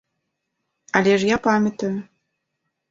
Але ж я памятаю.